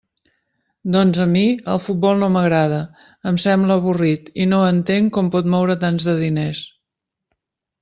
Doncs, a mi, el futbol no m'agrada; em sembla avorrit, i no entenc com pot moure tants de diners.